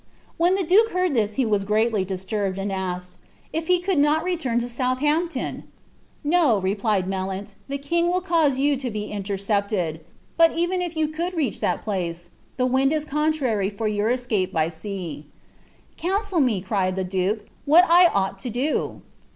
When the duke heard this ha mf greatly disturbnl, and asked '^ if he could not return to SouthampMti ?" "No," replied Melleni, "the king will cause you to be intercepted; bat even if you could reach that place, the wiud is contrary for yoar taeapi by sea.'^ "Counsel me," cried the duke. " what I ought to do."